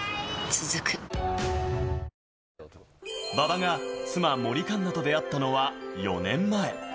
続く馬場が妻、森カンナと出会ったのは、４年前。